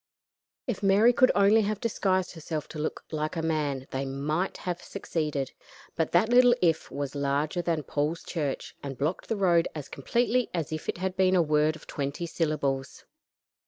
If Mary could only have disguised herself to look like a man they might have succeeded, but that little "if" was larger than Paul's church, and blocked the road as completely as if it had been a word of twenty syllables.